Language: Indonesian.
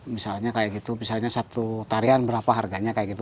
misalnya kayak gitu misalnya satu tarian berapa harganya kayak gitu